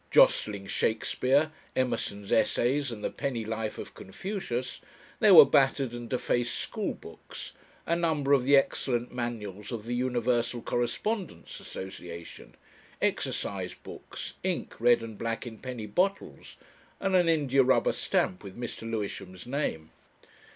Jostling Shakespeare, Emerson's Essays, and the penny Life of Confucius, there were battered and defaced school books, a number of the excellent manuals of the Universal Correspondence Association, exercise books, ink (red and black) in penny bottles, and an india rubber stamp with Mr. Lewisham's name.